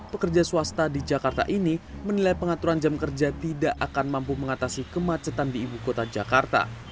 pekerja swasta di jakarta ini menilai pengaturan jam kerja tidak akan mampu mengatasi kemacetan di ibu kota jakarta